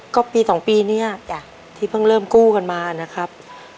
ก็ปี๒ปีเนี่ยที่เพิ่งเริ่มกู้กันมานะครับ